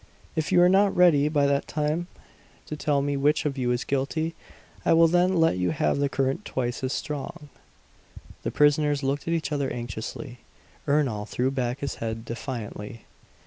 If you are not ready by that time to tell me which of you is guilty, I will then let you have the current twice as strong!" The prisoners looked at each other anxiously. Ernol threw back his head defiantly.